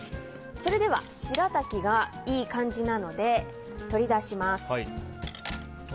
それでは、しらたきがいい感じなので取り出します。